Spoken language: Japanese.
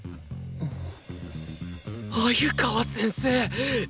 鮎川先生！